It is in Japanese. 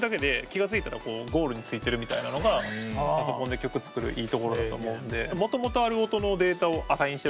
気が付いたらゴールに着いてるみたいなのがパソコンで曲作るいいところだと思うんで。